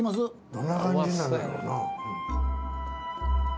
どんな感じになんねやろな。